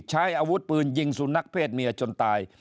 ใช้อาวุธปืนยิงสุนัขเพศเมียจนตาย